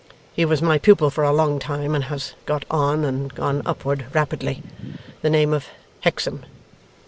He was my pupil for a long time, and has got on and gone upward rapidly. The name of Hexam.